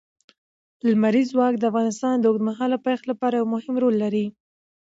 لمریز ځواک د افغانستان د اوږدمهاله پایښت لپاره یو مهم رول لري.